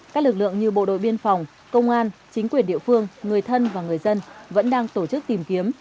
các lực lượng như bộ đội biên phòng công an chính quyền địa phương người thân và người dân vẫn đang tổ chức tìm kiếm